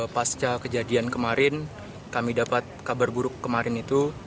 pasca kejadian kemarin kami dapat kabar buruk kemarin itu